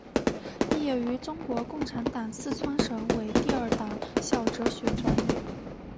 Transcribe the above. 毕业于中国共产党四川省委第二党校哲学专业。